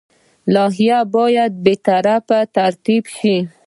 لایحه باید بې طرفه ترتیب شي.